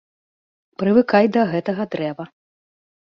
Прывыкай да гэтага дрэва.